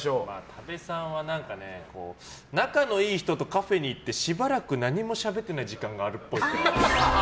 多部さんは仲のいい人とカフェに行ってしばらく何もしゃべっていない時間があるっぽい。